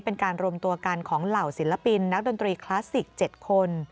เป็นการรวมตัวกันของเหล่าศิลปินนักดนตรีคลาสสิก๗คน